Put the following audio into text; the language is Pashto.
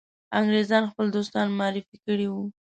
انګرېزان خپل دوستان معرفي کړي وه.